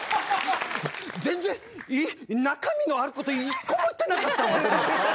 全然中身のあること１個も言ってなかったわ。